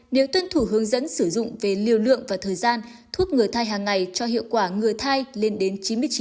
nếu tuân thủ hướng dẫn sử dụng về liều lượng và thời gian thuốc người thai hàng ngày cho hiệu quả người thai lên đến chín mươi chín